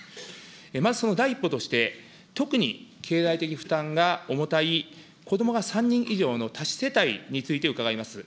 まずその第一歩として、特に経済的負担が重たい、子どもが３人以上の多子世帯について伺います。